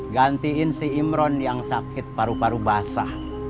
gantiin si imron yang sakit paru paru basah